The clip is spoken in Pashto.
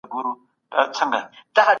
ستاسو په ذهن کي به د راتلونکي لپاره رڼا وي.